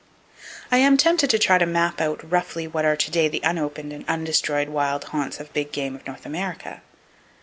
I am tempted to try to map out roughly what are to day the unopened and undestroyed wild haunts of big game in North America.